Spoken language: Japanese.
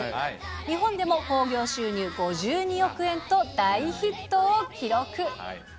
日本でも興行収入５２億円と、大ヒットを記録。